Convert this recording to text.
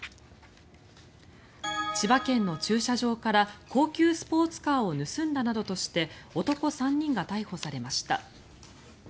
千葉県の駐車場から高級スポーツカーを盗んだなどとして男３人が逮捕されました。